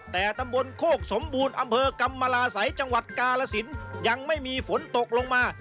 แต่ตำบลโคกสมบูรณ์อำเภอกรรมราศัยจังหวัดกาลสินยังไม่มีฝนตกลงมา